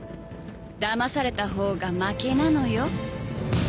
だまされた方が負けなのよ。